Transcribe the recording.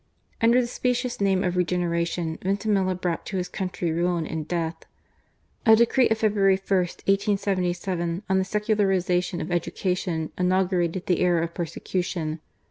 Under the specious name of regeneration, Vintimilla brought to his country ruin and death. A decree of February i, 1877, on the secularization of education, inaugurated the era of persecution.